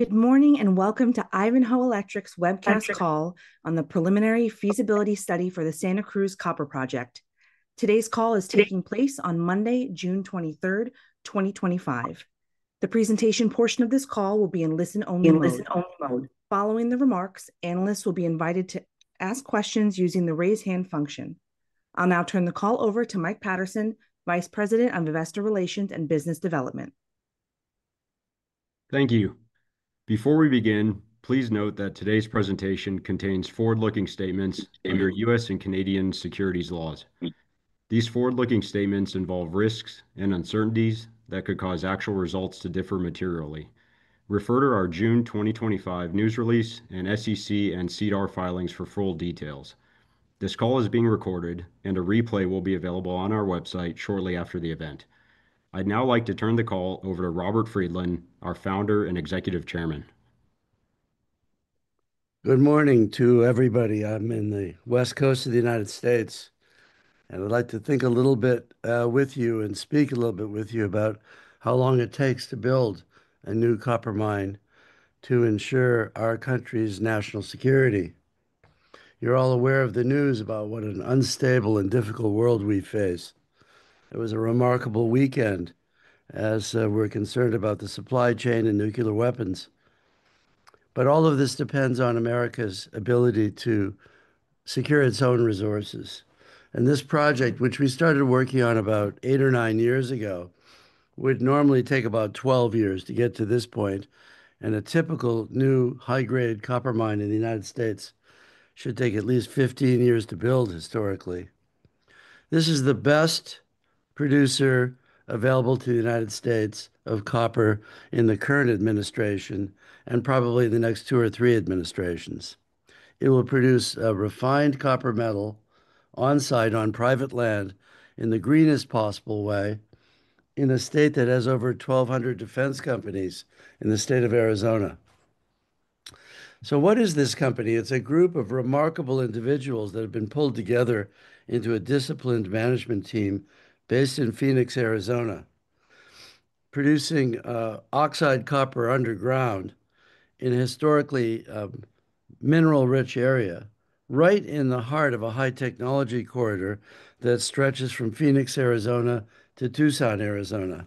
Good morning and welcome to Ivanhoe Electric's webcast call on the preliminary feasibility study for the Santa Cruz Copper Project. Today's call is taking place on Monday, June 23, 2025. The presentation portion of this call will be in listen-only mode. Following the remarks, analysts will be invited to ask questions using the raise hand function. I'll now turn the call over to Mike Patterson, Vice President of Investor Relations and Business Development. Thank you. Before we begin, please note that today's presentation contains forward-looking statements under U.S. and Canadian Securities Laws. These forward-looking statements involve risks and uncertainties that could cause actual results to differ materially. Refer to our June 2025 news release and SEC and CDAR filings for full details. This call is being recorded, and a replay will be available on our website shortly after the event. I'd now like to turn the call over to Robert Friedland, our Founder and Executive Chairman. Good morning to everybody. I'm in the West Coast of the United States, and I'd like to think a little bit with you and speak a little bit with you about how long it takes to build a new copper mine to ensure our country's national security. You're all aware of the news about what an unstable and difficult world we face. It was a remarkable weekend as we're concerned about the supply chain and nuclear weapons. All of this depends on America's ability to secure its own resources. This project, which we started working on about eight or nine years ago, would normally take about 12 years to get to this point. A typical new high-grade copper mine in the United States should take at least 15 years to build, historically. This is the best producer available to the United States of copper in the current administration and probably the next two or three administrations. It will produce a refined copper metal on-site on private land in the greenest possible way in a state that has over 1,200 defense companies in the state of Arizona. What is this company? It's a group of remarkable individuals that have been pulled together into a disciplined management team based in Phoenix, Arizona, producing oxide copper underground in a historically mineral-rich area, right in the heart of a high-technology corridor that stretches from Phoenix, Arizona to Tucson, Arizona.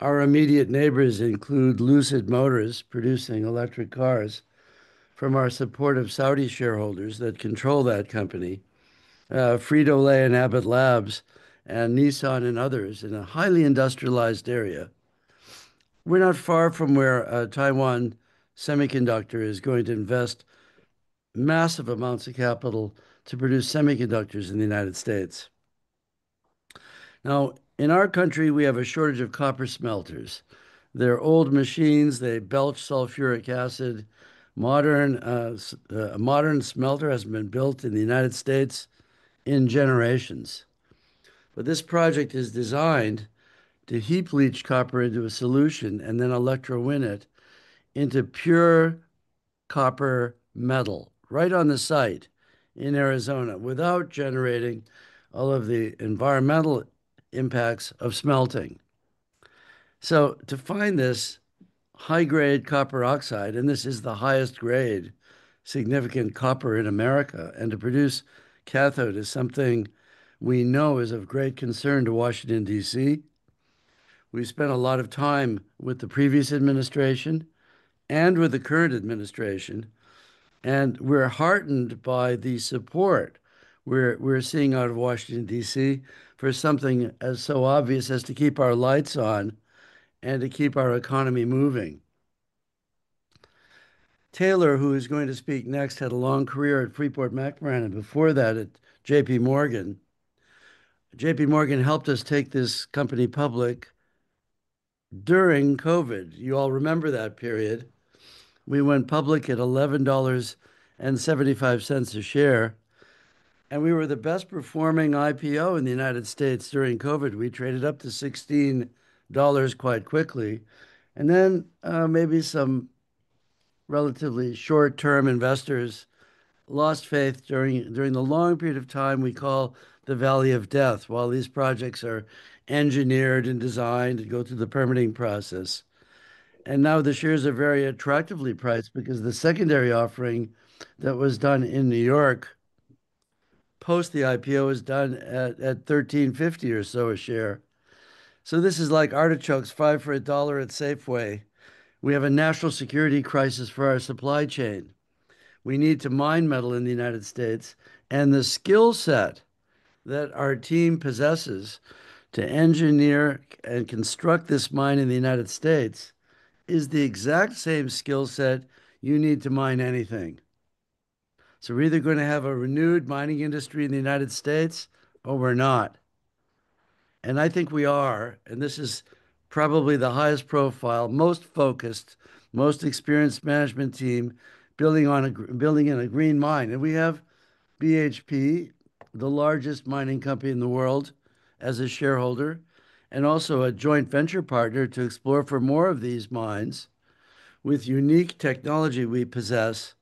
Our immediate neighbors include Lucid Motors, producing electric cars from our supportive Saudi shareholders that control that company, Frito-Lay and Abbott Labs, and Nissan and others in a highly industrialized area. We're not far from where Taiwan Semiconductor is going to invest massive amounts of capital to produce semiconductors in the United States. Now, in our country, we have a shortage of copper smelters. They're old machines. They belch sulfuric acid. A modern smelter hasn't been built in the United States in generations. This project is designed to heat-leach copper into a solution and then electro-win it into pure copper metal right on the site in Arizona without generating all of the environmental impacts of smelting. To find this high-grade copper oxide, and this is the highest grade significant copper in America, and to produce cathode is something we know is of great concern to Washington, D.C. We've spent a lot of time with the previous administration and with the current administration, and we're heartened by the support we're seeing out of Washington, D.C. for something as so obvious as to keep our lights on and to keep our economy moving. Taylor, who is going to speak next, had a long career at Freeport-McMoRan, and before that at J.P. Morgan. J.P. Morgan helped us take this company public during COVID. You all remember that period. We went public at $11.75 a share, and we were the best-performing IPO in the United States during COVID. We traded up to $16 quite quickly. Maybe some relatively short-term investors lost faith during the long period of time we call the valley of death while these projects are engineered and designed and go through the permitting process. Now the shares are very attractively priced because the secondary offering that was done in New York post the IPO was done at $13.50 or so a share. This is like artichokes fired for a dollar at Safeway. We have a national security crisis for our supply chain. We need to mine metal in the United States. The skill set that our team possesses to engineer and construct this mine in the United States is the exact same skill set you need to mine anything. We are either going to have a renewed mining industry in the United States, or we are not. I think we are, and this is probably the highest profile, most focused, most experienced management team building in a green mine. We have BHP, the largest mining company in the world, as a shareholder and also a joint venture partner to explore for more of these mines with unique technology we possess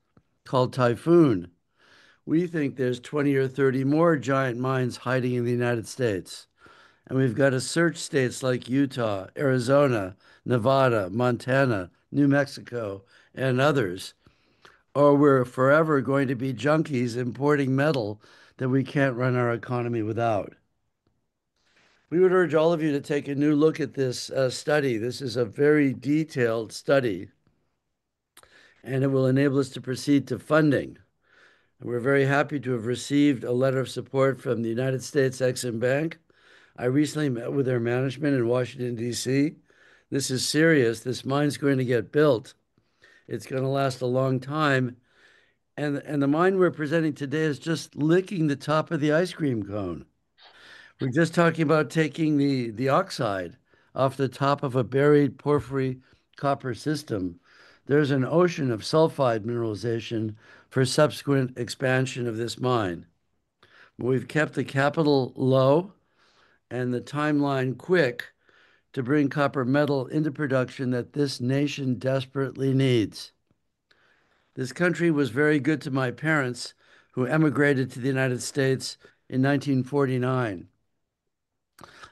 called Typhoon. We think there are 20 or 30 more giant mines hiding in the United States. We have got to search states like Utah, Arizona, Nevada, Montana, New Mexico, and others, or we are forever going to be junkies importing metal that we cannot run our economy without. We would urge all of you to take a new look at this study. This is a very detailed study, and it will enable us to proceed to funding. We are very happy to have received a letter of support from the U.S. Exim Bank. I recently met with their management in Washington, D.C. This is serious. This mine is going to get built. It is going to last a long time. The mine we are presenting today is just licking the top of the ice cream cone. We are just talking about taking the oxide off the top of a buried porphyry copper system. There is an ocean of sulfide mineralization for subsequent expansion of this mine. We've kept the capital low and the timeline quick to bring copper metal into production that this nation desperately needs. This country was very good to my parents, who emigrated to the United States in 1949.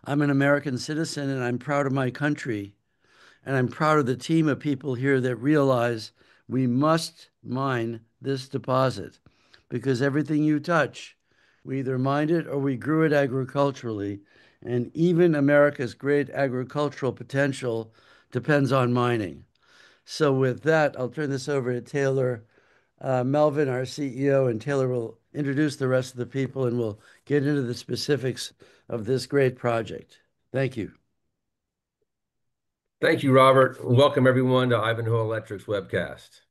I'm an American citizen, and I'm proud of my country. I'm proud of the team of people here that realize we must mine this deposit because everything you touch, we either mined it or we grew it agriculturally. Even America's great agricultural potential depends on mining. With that, I'll turn this over to Taylor Melvin, our CEO, and Taylor will introduce the rest of the people and we'll get into the specifics of this great project. Thank you. Thank you, Robert. Welcome, everyone, to Ivanhoe Electric's webcast.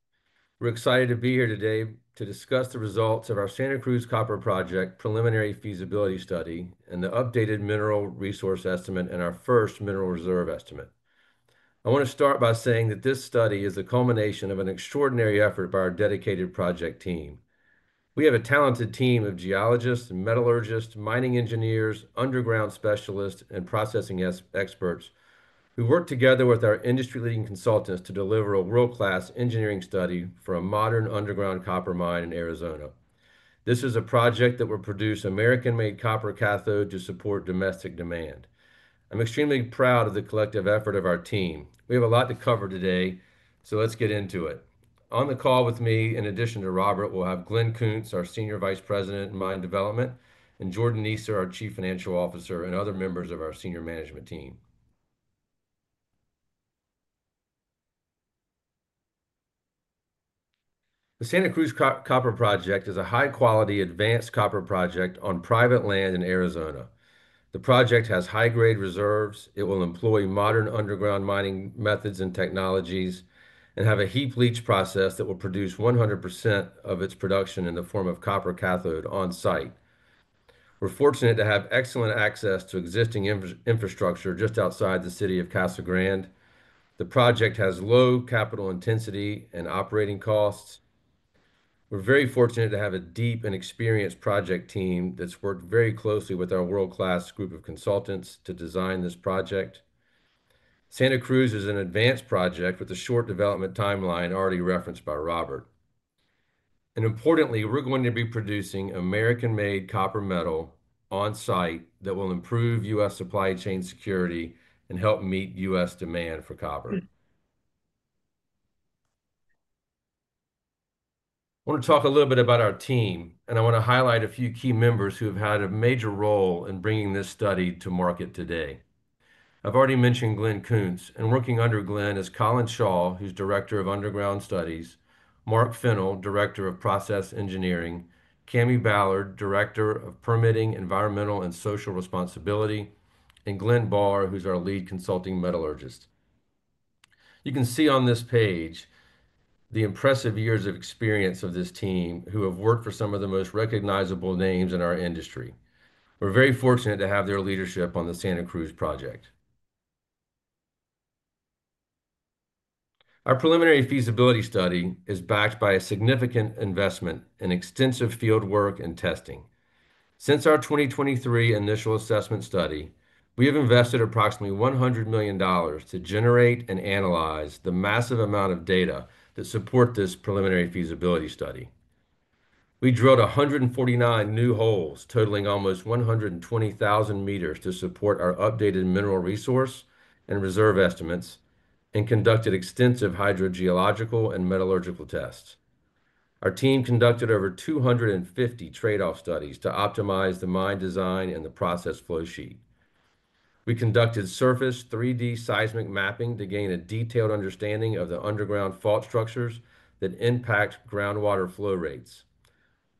We're excited to be here today to discuss the results of our Santa Cruz Copper Project preliminary feasibility study and the updated mineral resource estimate and our first mineral reserve estimate. I want to start by saying that this study is the culmination of an extraordinary effort by our dedicated project team. We have a talented team of geologists, metallurgists, mining engineers, underground specialists, and processing experts who work together with our industry-leading consultants to deliver a world-class engineering study for a modern underground copper mine in Arizona. This is a project that will produce American-made copper cathode to support domestic demand. I'm extremely proud of the collective effort of our team. We have a lot to cover today, so let's get into it. On the call with me, in addition to Robert, we'll have Glenn Koontz, our Senior Vice President of Mine Development, and Jordan Nieser, our Chief Financial Officer, and other members of our senior management team. The Santa Cruz Copper Project is a high-quality advanced copper project on private land in Arizona. The project has high-grade reserves. It will employ modern underground mining methods and technologies and have a heat-leach process that will produce 100% of its production in the form of copper cathode on-site. We're fortunate to have excellent access to existing infrastructure just outside the city of Casa Grande. The project has low capital intensity and operating costs. We're very fortunate to have a deep and experienced project team that's worked very closely with our world-class group of consultants to design this project. Santa Cruz is an advanced project with a short development timeline already referenced by Robert. Importantly, we're going to be producing American-made copper metal on-site that will improve U.S. supply chain security and help meet U.S. demand for copper. I want to talk a little bit about our team, and I want to highlight a few key members who have had a major role in bringing this study to market today. I've already mentioned Glenn Koontz. Working under Glenn is Colin Shaw, who's Director of Underground Studies, Mark Fennell, Director of Process Engineering, Cammie Ballard, Director of Permitting, Environmental, and Social Responsibility, and Glenn Barr, who's our lead consulting metallurgist. You can see on this page the impressive years of experience of this team who have worked for some of the most recognizable names in our industry. We're very fortunate to have their leadership on the Santa Cruz Project. Our preliminary feasibility study is backed by a significant investment in extensive fieldwork and testing. Since our 2023 initial assessment study, we have invested approximately $100 million to generate and analyze the massive amount of data that support this preliminary feasibility study. We drilled 149 new holes totaling almost 120,000 meters to support our updated mineral resource and reserve estimates and conducted extensive hydrogeological and metallurgical tests. Our team conducted over 250 trade-off studies to optimize the mine design and the process flowsheet. We conducted surface 3D seismic mapping to gain a detailed understanding of the underground fault structures that impact groundwater flow rates.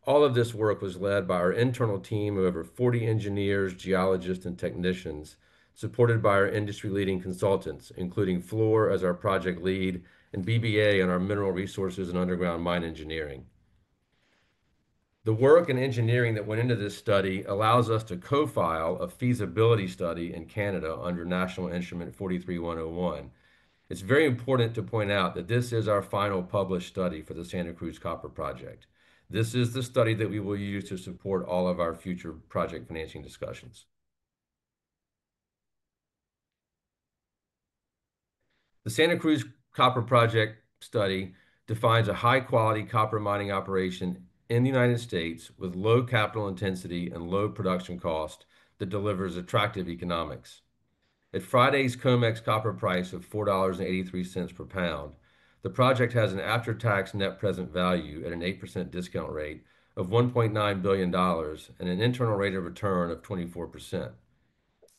All of this work was led by our internal team of over 40 engineers, geologists, and technicians supported by our industry-leading consultants, including Fluor as our project lead and BBA on our mineral resources and underground mine engineering. The work and engineering that went into this study allows us to co-file a feasibility study in Canada under National Instrument 43-101. It's very important to point out that this is our final published study for the Santa Cruz Copper Project. This is the study that we will use to support all of our future project financing discussions. The Santa Cruz Copper Project study defines a high-quality copper mining operation in the United States with low capital intensity and low production cost that delivers attractive economics. At Friday's COMEX copper price of $4.83 per pound, the project has an after-tax net present value at an 8% discount rate of $1.9 billion and an internal rate of return of 24%.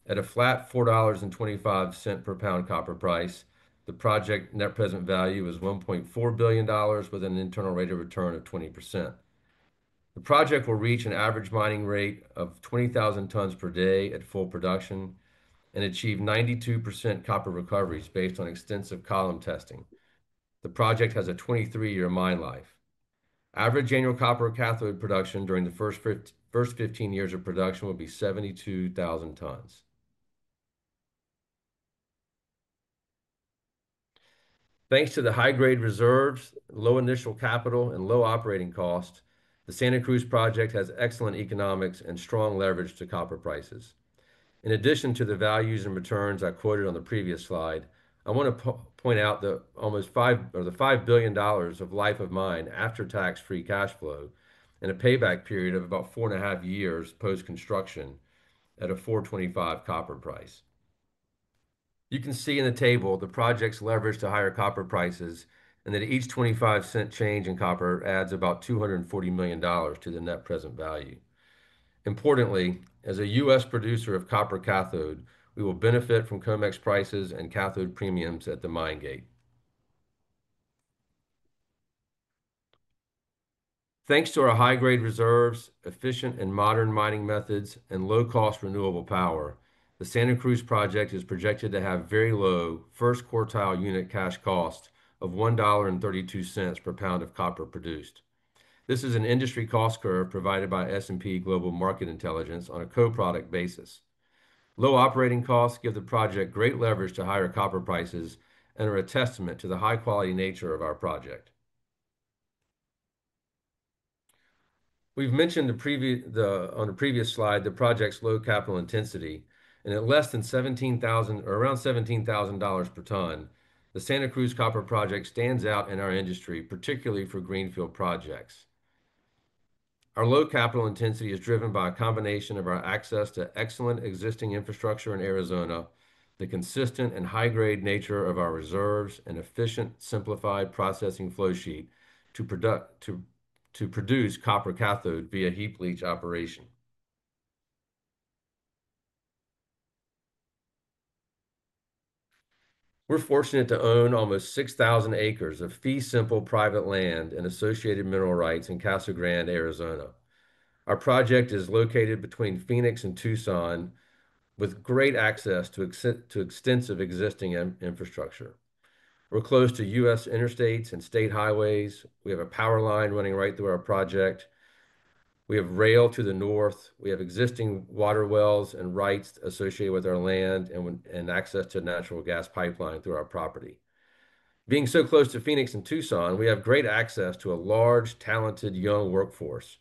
At a flat $4.25 per pound copper price, the project net present value is $1.4 billion with an internal rate of return of 20%. The project will reach an average mining rate of 20,000 tons per day at full production and achieve 92% copper recoveries based on extensive column testing. The project has a 23-year mine life. Average annual copper cathode production during the first 15 years of production will be 72,000 tons. Thanks to the high-grade reserves, low initial capital, and low operating cost, the Santa Cruz Project has excellent economics and strong leverage to copper prices. In addition to the values and returns I quoted on the previous slide, I want to point out the almost $5 billion of life of mine after-tax free cash flow and a payback period of about four and a half years post-construction at a $4.25 copper price. You can see in the table the project's leverage to higher copper prices and that each 25-cent change in copper adds about $240 million to the net present value. Importantly, as a U.S. producer of copper cathode, we will benefit from COMEX prices and cathode premiums at the mine gate. Thanks to our high-grade reserves, efficient and modern mining methods, and low-cost renewable power, the Santa Cruz Project is projected to have very low first quartile unit cash cost of $1.32 per pound of copper produced. This is an industry cost curve provided by S&P Global Market Intelligence on a co-product basis. Low operating costs give the project great leverage to higher copper prices and are a testament to the high-quality nature of our project. We've mentioned on the previous slide the project's low capital intensity, and at less than $17,000 or around $17,000 per ton, the Santa Cruz Copper Project stands out in our industry, particularly for greenfield projects. Our low capital intensity is driven by a combination of our access to excellent existing infrastructure in Arizona, the consistent and high-grade nature of our reserves, and efficient, simplified processing flowsheet to produce copper cathode via heat-leach operation. We're fortunate to own almost 6,000 acres of fee-simple private land and associated mineral rights in Casa Grande, Arizona. Our project is located between Phoenix and Tucson with great access to extensive existing infrastructure. We're close to U.S. interstates and state highways. We have a power line running right through our project. We have rail to the north. We have existing water wells and rights associated with our land and access to a natural gas pipeline through our property. Being so close to Phoenix and Tucson, we have great access to a large, talented, young workforce.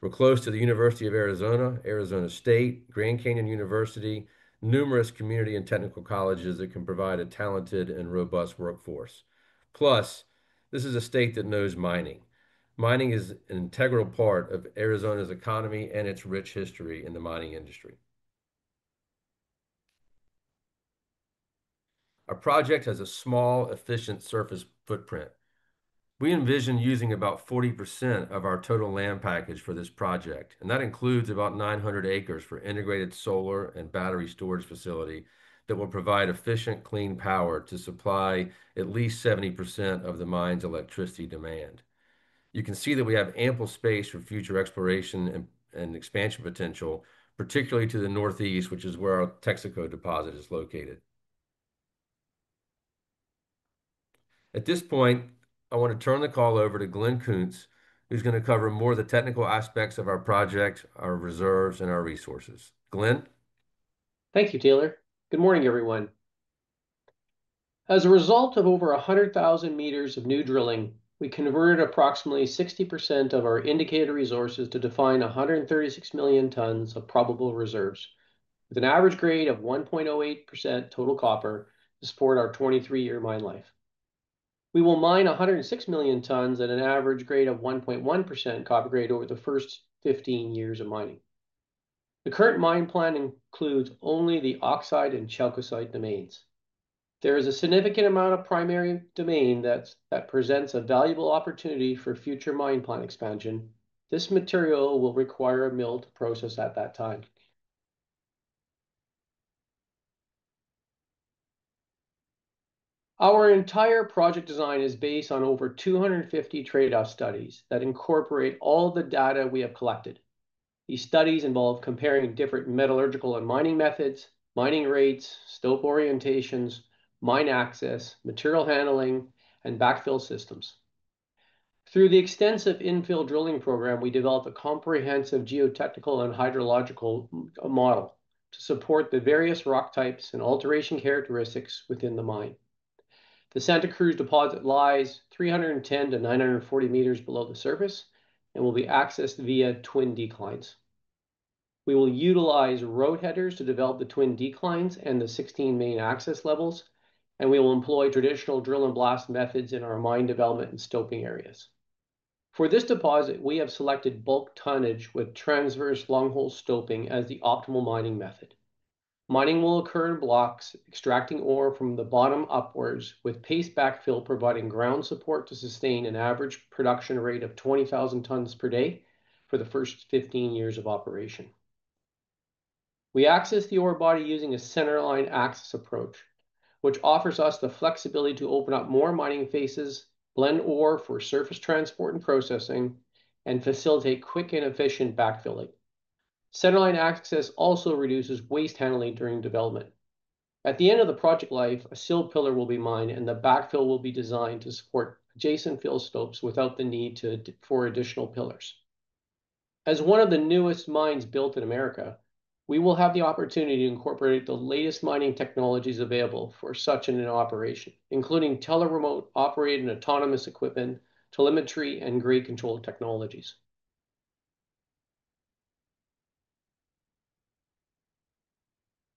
We're close to the University of Arizona, Arizona State, Grand Canyon University, numerous community and technical colleges that can provide a talented and robust workforce. Plus, this is a state that knows mining. Mining is an integral part of Arizona's economy and its rich history in the mining industry. Our project has a small, efficient surface footprint. We envision using about 40% of our total land package for this project, and that includes about 900 acres for integrated solar and battery storage facility that will provide efficient, clean power to supply at least 70% of the mine's electricity demand. You can see that we have ample space for future exploration and expansion potential, particularly to the northeast, which is where our Texaco Deposit is located. At this point, I want to turn the call over to Glenn Koontz, who's going to cover more of the technical aspects of our project, our reserves, and our resources. Glenn. Thank you, Taylor. Good morning, everyone. As a result of over 100,000 meters of new drilling, we converted approximately 60% of our indicated resources to define 136 million tons of probable reserves with an average grade of 1.08% total copper to support our 23-year mine life. We will mine 106 million tons at an average grade of 1.1% copper grade over the first 15 years of mining. The current mine plan includes only the oxide and chalcosite domains. There is a significant amount of primary domain that presents a valuable opportunity for future mine plan expansion. This material will require a milled process at that time. Our entire project design is based on over 250 trade-off studies that incorporate all the data we have collected. These studies involve comparing different metallurgical and mining methods, mining rates, slope orientations, mine access, material handling, and backfill systems. Through the extensive infill drilling program, we develop a comprehensive geotechnical and hydrological model to support the various rock types and alteration characteristics within the mine. The Santa Cruz deposit lies 310-940 meters below the surface and will be accessed via twin declines. We will utilize road headers to develop the twin declines and the 16 main access levels, and we will employ traditional drill and blast methods in our mine development and stoping areas. For this deposit, we have selected bulk tonnage with transverse long-hole stoping as the optimal mining method. Mining will occur in blocks, extracting ore from the bottom upwards with paste backfill providing ground support to sustain an average production rate of 20,000 tons per day for the first 15 years of operation. We access the ore body using a centerline access approach, which offers us the flexibility to open up more mining faces, blend ore for surface transport and processing, and facilitate quick and efficient backfilling. Centerline access also reduces waste handling during development. At the end of the project life, a sill pillar will be mined, and the backfill will be designed to support adjacent fill stopes without the need for additional pillars. As one of the newest mines built in the United States, we will have the opportunity to incorporate the latest mining technologies available for such an operation, including teleremote-operated and autonomous equipment, telemetry, and grade control technologies.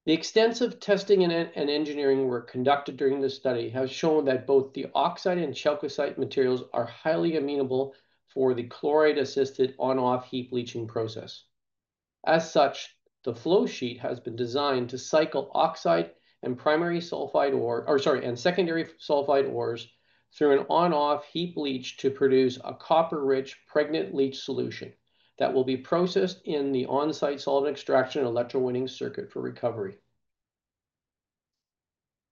The extensive testing and engineering work conducted during this study has shown that both the oxide and chalcosite materials are highly amenable for the chloride-assisted on-off heat-leaching process. As such, the flowsheet has been designed to cycle oxide and primary sulfide ores through an on-off heat leach to produce a copper-rich pregnant leach solution that will be processed in the on-site solvent extraction electrowinning circuit for recovery.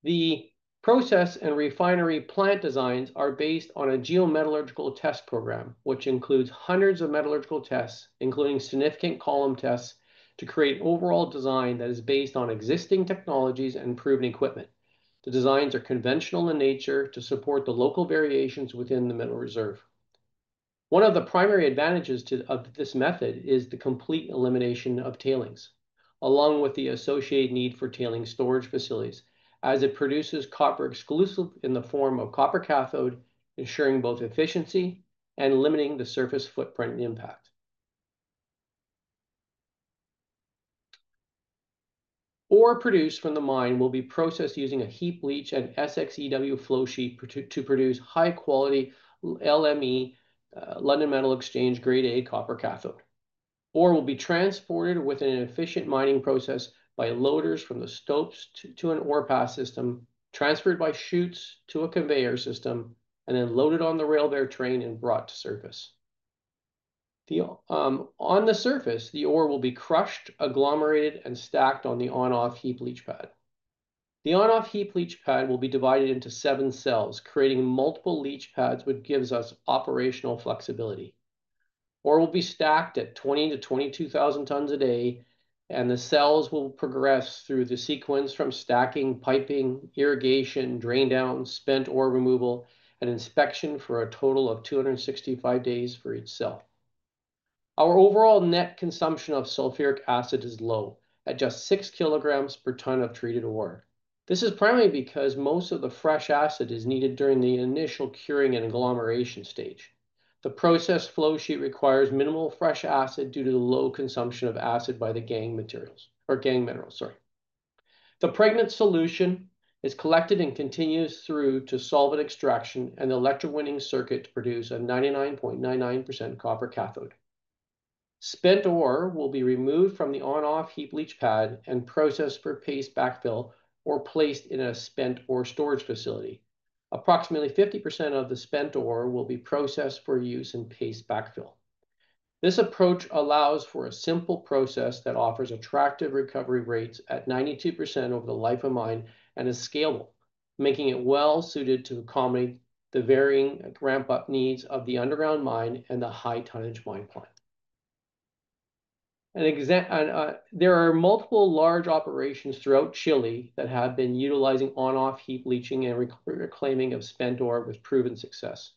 The process and refinery plant designs are based on a geometallurgical test program, which includes hundreds of metallurgical tests, including significant column tests to create overall design that is based on existing technologies and proven equipment. The designs are conventional in nature to support the local variations within the mineral reserve. One of the primary advantages of this method is the complete elimination of tailings, along with the associated need for tailings storage facilities, as it produces copper exclusively in the form of copper cathode, ensuring both efficiency and limiting the surface footprint impact. Ore produced from the mine will be processed using a heat leach and SXEW Flowsheet to produce high-quality LME, London Metal Exchange Grade A copper cathode. Ore will be transported with an efficient mining process by loaders from the stopes to an ore pass system, transferred by chutes to a conveyor system, and then loaded on the railbare train and brought to surface. On the surface, the ore will be crushed, agglomerated, and stacked on the on-off heat leach pad. The on-off heat leach pad will be divided into seven cells, creating multiple leach pads, which gives us operational flexibility. Ore will be stacked at 20,000-22,000 tons a day, and the cells will progress through the sequence from stacking, piping, irrigation, drain down, spent ore removal, and inspection for a total of 265 days for each cell. Our overall net consumption of sulfuric acid is low, at just 6 kilograms per ton of treated ore. This is primarily because most of the fresh acid is needed during the initial curing and agglomeration stage. The processed flowsheet requires minimal fresh acid due to the low consumption of acid by the gangue material or gangue minerals, sorry. The pregnant solution is collected and continues through to solvent extraction and the electrowinning circuit to produce a 99.99% copper cathode. Spent ore will be removed from the on-off heat leach pad and processed for paste backfill or placed in a spent ore storage facility. Approximately 50% of the spent ore will be processed for use in paste backfill. This approach allows for a simple process that offers attractive recovery rates at 92% over the life of mine and is scalable, making it well-suited to accommodate the varying ramp-up needs of the underground mine and the high-tonnage mine plant. There are multiple large operations throughout Chile that have been utilizing on-off heat leaching and reclaiming of spent ore with proven success.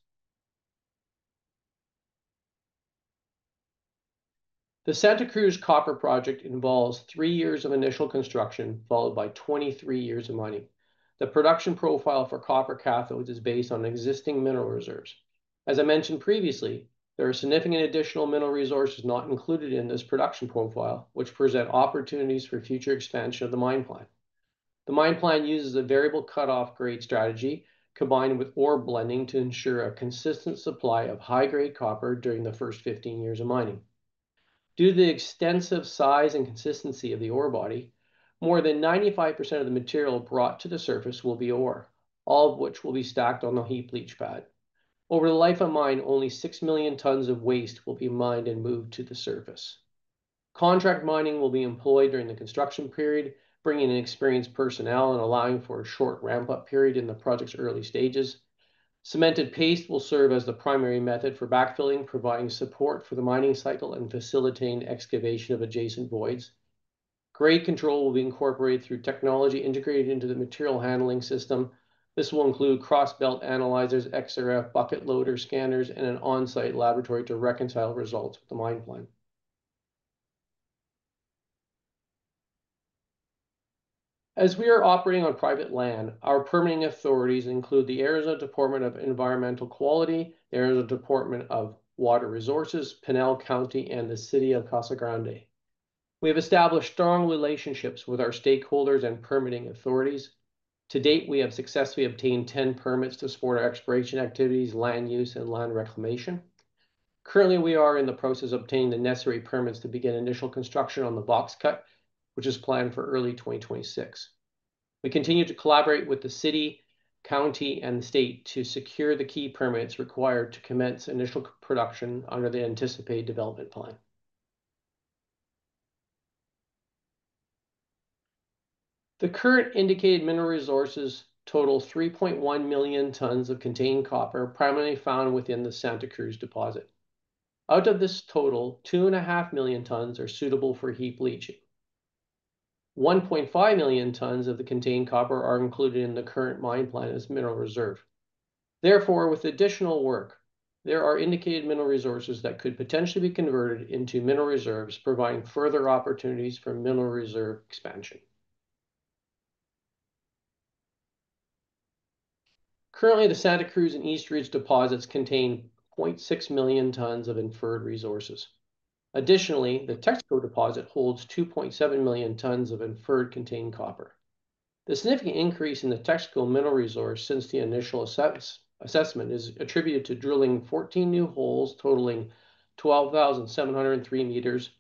The Santa Cruz Copper Project involves three years of initial construction followed by 23 years of mining. The production profile for copper cathodes is based on existing mineral reserves. As I mentioned previously, there are significant additional mineral resources not included in this production profile, which present opportunities for future expansion of the mine plan. The mine plan uses a variable cutoff grade strategy combined with ore blending to ensure a consistent supply of high-grade copper during the first 15 years of mining. Due to the extensive size and consistency of the ore body, more than 95% of the material brought to the surface will be ore, all of which will be stacked on the heat leach pad. Over the life of mine, only 6 million tons of waste will be mined and moved to the surface. Contract mining will be employed during the construction period, bringing in experienced personnel and allowing for a short ramp-up period in the project's early stages. Cemented paste will serve as the primary method for backfilling, providing support for the mining cycle and facilitating excavation of adjacent voids. Grade control will be incorporated through technology integrated into the material handling system. This will include crossbelt analyzers, XRF Bucket Loaders, scanners, and an on-site laboratory to reconcile results with the mine plan. As we are operating on private land, our permitting authorities include the Arizona Department of Environmental Quality, the Arizona Department of Water Resources, Pinal County, and the City of Casa Grande. We have established strong relationships with our stakeholders and permitting authorities. To date, we have successfully obtained 10 permits to support our exploration activities, land use, and land reclamation. Currently, we are in the process of obtaining the necessary permits to begin initial construction on the box cut, which is planned for early 2026. We continue to collaborate with the city, county, and state to secure the key permits required to commence initial production under the anticipated development plan. The current indicated mineral resources total 3.1 million tons of contained copper, primarily found within the Santa Cruz deposit. Out of this total, 2.5 million tons are suitable for heat leaching. 1.5 million tons of the contained copper are included in the current mine plan as mineral reserve. Therefore, with additional work, there are indicated mineral resources that could potentially be converted into mineral reserves, providing further opportunities for mineral reserve expansion. Currently, the Santa Cruz and East Ridge deposits contain 0.6 million tons of inferred resources. Additionally, the Texaco Deposit holds 2.7 million tons of inferred contained copper. The significant increase in the Texaco mineral resource since the initial assessment is attributed to drilling 14 new holes totaling 12,703 meters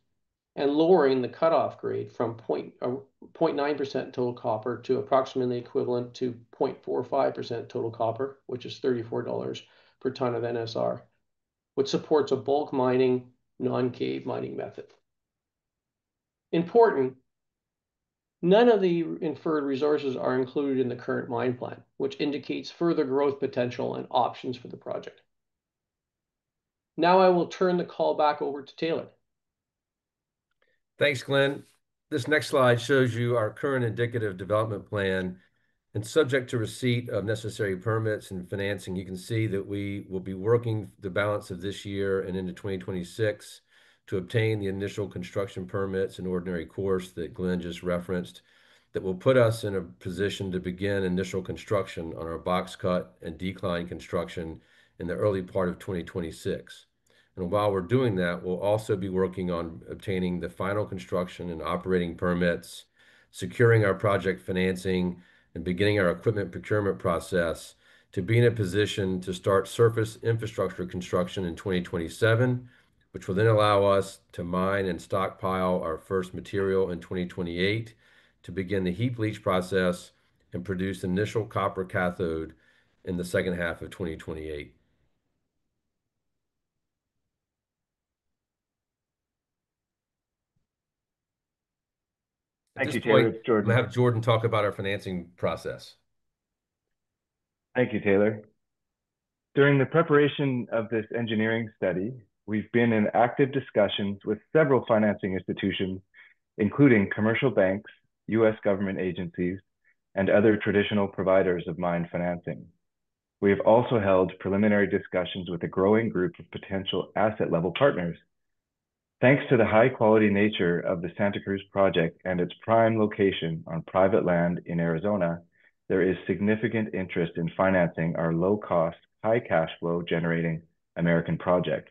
and lowering the cutoff grade from 0.9% total copper to approximately equivalent to 0.45% total copper, which is $34 per ton of NSR, which supports a bulk mining, non-cave mining method. Important, none of the inferred resources are included in the current mine plan, which indicates further growth potential and options for the project. Now I will turn the call back over to Taylor. Thanks, Glenn. This next slide shows you our current indicative development plan and, subject to receipt of necessary permits and financing, you can see that we will be working the balance of this year and into 2026 to obtain the initial construction permits in ordinary course that Glenn just referenced. That will put us in a position to begin initial construction on our box cut and decline construction in the early part of 2026. While we are doing that, we will also be working on obtaining the final construction and operating permits, securing our project financing, and beginning our equipment procurement process to be in a position to start surface infrastructure construction in 2027, which will then allow us to mine and stockpile our first material in 2028 to begin the heat leach process and produce initial copper cathode in the second half of 2028. Thank you, Taylor. We'll have Jordan talk about our financing process. Thank you, Taylor. During the preparation of this engineering study, we've been in active discussions with several financing institutions, including commercial banks, U.S. government agencies, and other traditional providers of mine financing. We have also held preliminary discussions with a growing group of potential asset-level partners. Thanks to the high-quality nature of the Santa Cruz project and its prime location on private land in Arizona, there is significant interest in financing our low-cost, high-cash flow generating American project.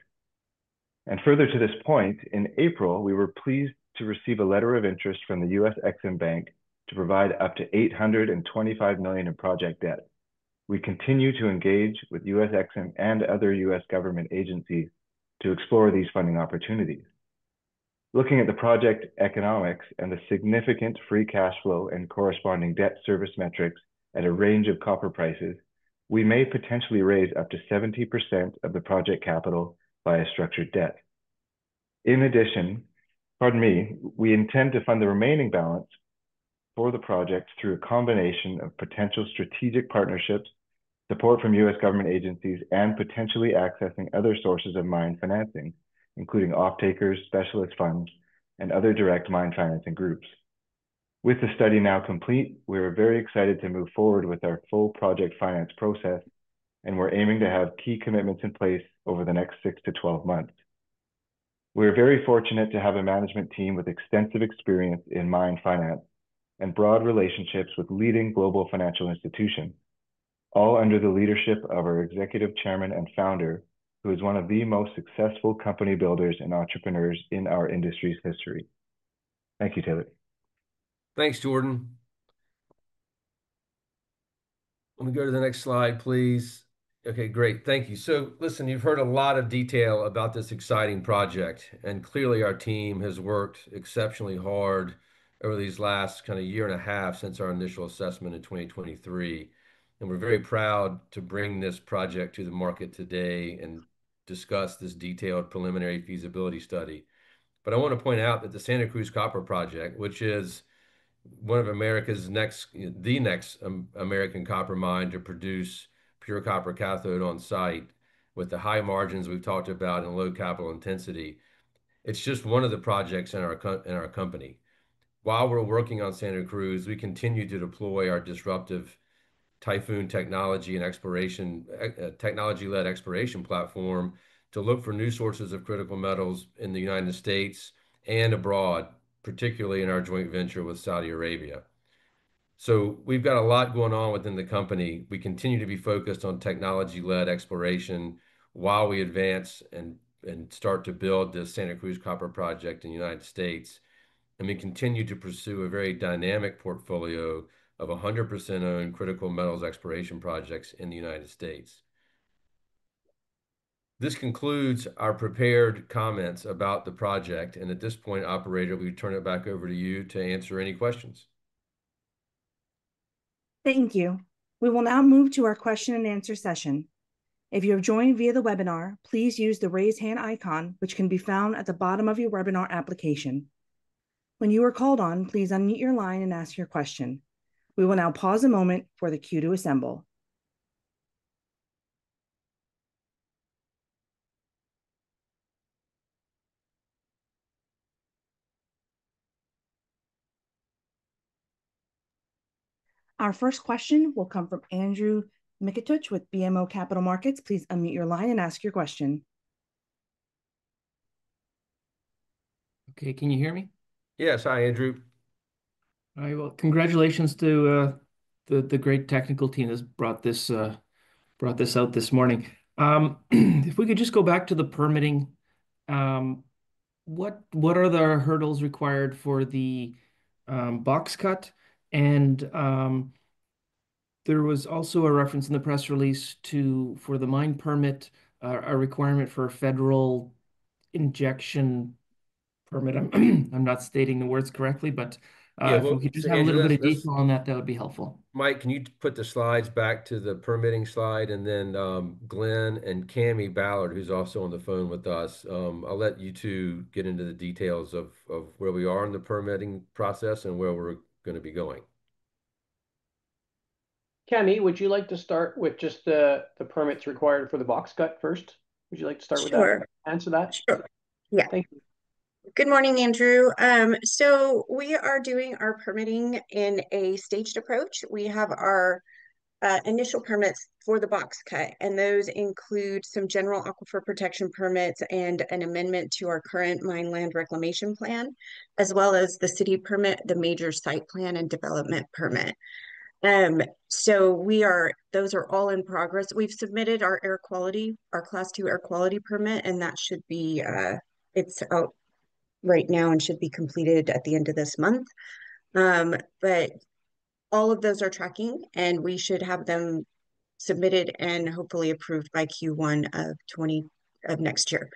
Further to this point, in April, we were pleased to receive a letter of interest from the U.S. Exim Bank to provide up to $825 million in project debt. We continue to engage with U.S. Exim and other U.S. government agencies to explore these funding opportunities. Looking at the project economics and the significant free cash flow and corresponding debt service metrics at a range of copper prices, we may potentially raise up to 70% of the project capital via structured debt. In addition, pardon me, we intend to fund the remaining balance for the project through a combination of potential strategic partnerships, support from U.S. government agencies, and potentially accessing other sources of mine financing, including off-takers, specialist funds, and other direct mine financing groups. With the study now complete, we are very excited to move forward with our full project finance process, and we're aiming to have key commitments in place over the next 6-12 months. We are very fortunate to have a management team with extensive experience in mine finance and broad relationships with leading global financial institutions, all under the leadership of our Executive Chairman and founder, who is one of the most successful company builders and entrepreneurs in our industry's history. Thank you, Taylor. Thanks, Jordan. Let me go to the next slide, please. Okay, great. Thank you. Listen, you've heard a lot of detail about this exciting project, and clearly our team has worked exceptionally hard over this last kind of year and a half since our initial assessment in 2023. We're very proud to bring this project to the market today and discuss this detailed preliminary feasibility study. I want to point out that the Santa Cruz Copper Project, which is one of America's next, the next American copper mine to produce pure copper cathode on site with the high margins we've talked about and low capital intensity, is just one of the projects in our company. While we're working on Santa Cruz, we continue to deploy our disruptive Typhoon technology and exploration technology-led exploration platform to look for new sources of critical metals in the United States and abroad, particularly in our joint venture with Saudi Arabia. We have a lot going on within the company. We continue to be focused on technology-led exploration while we advance and start to build the Santa Cruz Copper Project in the United States. We continue to pursue a very dynamic portfolio of 100% owned critical metals exploration projects in the United States. This concludes our prepared comments about the project. At this point, Operator, we turn it back over to you to answer any questions. Thank you. We will now move to our question and answer session. If you have joined via the webinar, please use the raise hand icon, which can be found at the bottom of your webinar application. When you are called on, please unmute your line and ask your question. We will now pause a moment for the queue to assemble. Our first question will come from Andrew Mikitchook with BMO Capital Markets. Please unmute your line and ask your question. Okay. Can you hear me? Yes. Hi, Andrew. All right. Congratulations to the great technical team that brought this out this morning. If we could just go back to the permitting, what are the hurdles required for the box cut? There was also a reference in the press release for the mine permit, a requirement for a federal injection permit. I'm not stating the words correctly, but if you just have a little bit of detail on that, that would be helpful. Mike, can you put the slides back to the permitting slide? Glenn and Cammie Ballard, who's also on the phone with us, I'll let you two get into the details of where we are in the permitting process and where we're going to be going. Cammie, would you like to start with just the permits required for the box cut first? Would you like to start with that? Sure. Answer that? Sure. Yeah. Thank you. Good morning, Andrew. We are doing our permitting in a staged approach. We have our initial permits for the box cut, and those include some general aquifer protection permits and an amendment to our current mine land reclamation plan, as well as the city permit, the major site plan, and development permit. Those are all in progress. We've submitted our air quality, our Class two air quality permit, and that should be out right now and should be completed at the end of this month. All of those are tracking, and we should have them submitted and hopefully approved by Q1 of next year.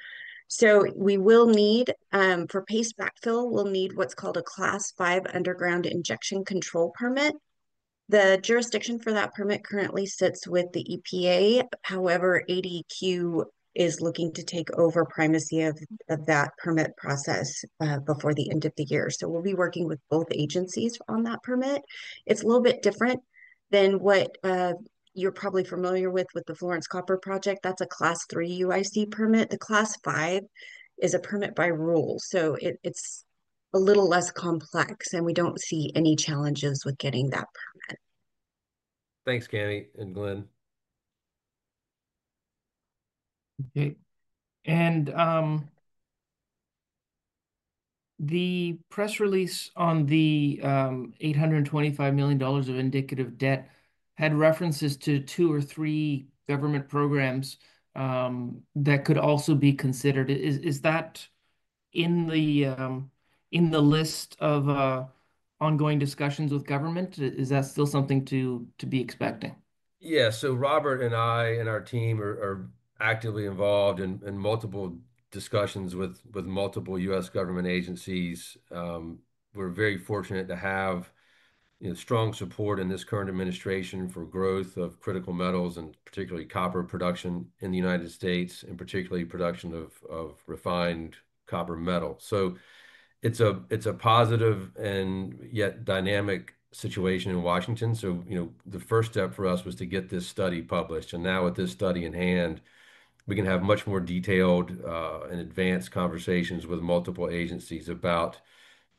We will need for paste backfill, we'll need what's called a Class five underground injection control permit. The jurisdiction for that permit currently sits with the EPA. However, ADQ is looking to take over primacy of that permit process before the end of the year. We will be working with both agencies on that permit. It is a little bit different than what you are probably familiar with with the Florence Copper Project. That is a Class three UIC permit. The Class five is a permit by rules. It is a little less complex, and we do not see any challenges with getting that permit. Thanks, Cammie and Glenn. Okay. The press release on the $825 million of indicative debt had references to two or three government programs that could also be considered. Is that in the list of ongoing discussions with government? Is that still something to be expecting? Yeah. Robert and I and our team are actively involved in multiple discussions with multiple U.S. government agencies. We're very fortunate to have strong support in this current administration for growth of critical metals and particularly copper production in the United States, and particularly production of refined copper metal. It's a positive and yet dynamic situation in Washington. The first step for us was to get this study published. Now with this study in hand, we can have much more detailed and advanced conversations with multiple agencies about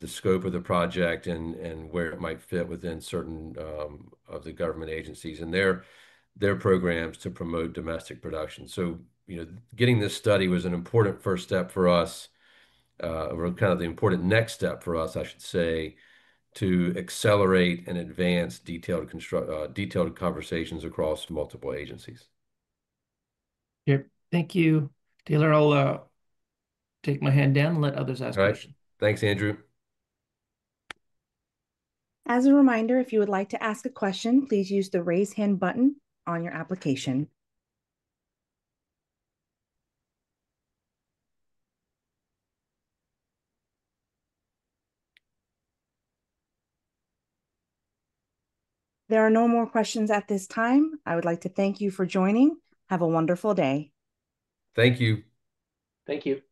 the scope of the project and where it might fit within certain of the government agencies and their programs to promote domestic production. Getting this study was an important first step for us or kind of the important next step for us, I should say, to accelerate and advance detailed conversations across multiple agencies. Okay. Thank you, Taylor. I'll take my hand down and let others ask questions. All right. Thanks, Andrew. As a reminder, if you would like to ask a question, please use the raise hand button on your application. There are no more questions at this time. I would like to thank you for joining. Have a wonderful day. Thank you. Thank you.